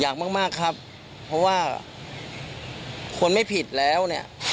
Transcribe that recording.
อยากมากมากครับเพราะว่าคนไม่ผิดแล้วเนี่ย